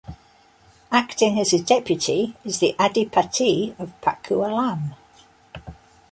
Acting as his deputy is the Adipati of Pakualam.